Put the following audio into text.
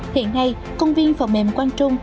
hiện nay công viên phòng mềm quang trung